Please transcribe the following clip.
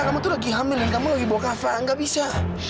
kamu tuh lagi hamil dan kamu lagi bawa kava nggak bisa